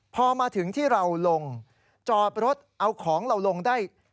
พอมาถึงที่เราลงจอดรถเอาของเราลงได้